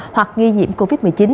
hoặc nghi nhiễm covid một mươi chín